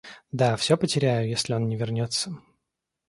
Да, всё потеряю, если он не вернется.